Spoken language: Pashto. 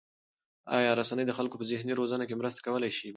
آیا رسنۍ د خلکو په ذهني روزنه کې مرسته کولای شي؟